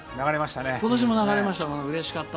今年も流れましたね。